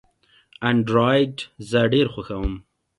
انډرایډ زه ډېر خوښوم.